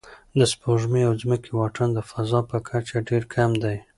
د سپوږمۍ او ځمکې واټن د فضا په کچه ډېر کم دی.